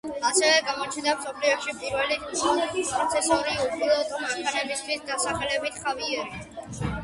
ასევე გამოჩნდა მსოფლიოში პირველი პროცესორი უპილოტო მანქანებისთვის დასახელებით „ხავიერი“.